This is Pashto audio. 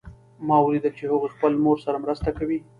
ما ولیدل چې هغوی خپل مور سره مرسته کوي